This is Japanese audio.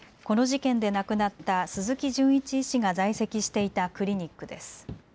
この事件で亡くなった鈴木純一医師が在籍していたクリニックです。